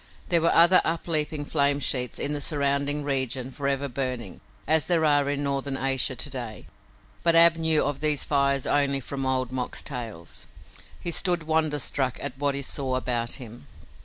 There were other upleaping flame sheets in the surrounding region forever burning as there are in northern Asia to day but Ab knew of these fires only from Old Mok's tales. He stood wonderstruck at what he saw about him.